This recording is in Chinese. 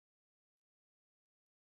可通过候车室前往反方向月台。